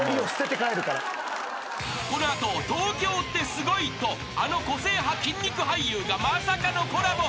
［この後『東京ってスゴい』とあの個性派筋肉俳優がまさかのコラボ］